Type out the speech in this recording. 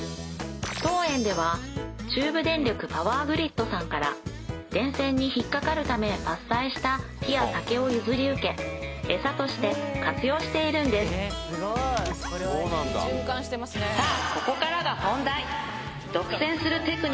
当園では中部電力パワーグリッドさんから電線に引っかかるため伐採した木や竹を譲り受けエサとして活用しているんですさあ